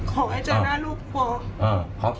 ขอให้เจอหน้าลูกครบ